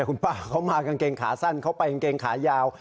คุณป้าเขามากางเกงขาสั้นเขาไปกางเกงขายาว